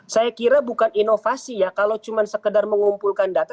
saya kira bukan inovasi ya kalau cuma sekedar mengumpulkan data